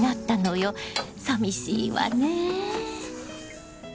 さみしいわね。